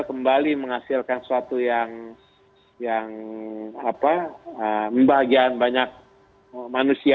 kembali menghasilkan sesuatu yang membahagiaan banyak manusia